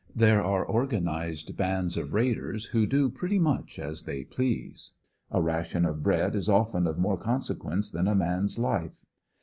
There are organized bands of raiders who do pretty much as they please. A ration of bread is often of more consequence than a man's life.